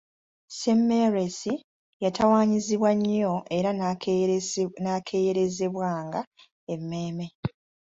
Semmelwesi yatawaanyizibwa nnyo era n’akeeyerezebwanga emmeeme